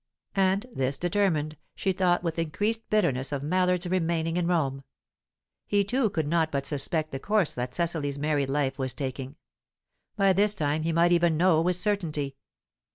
And, this determined, she thought with increased bitterness of Mallard's remaining in Rome. He too could not but suspect the course that Cecily's married life was taking; by this time he might even know with certainty.